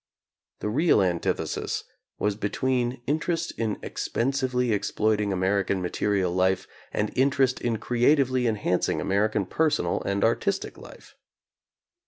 The real antithesis was between interest in expensively exploiting Amer ican material life and interest in creatively enhanc ing American personal and artistic life.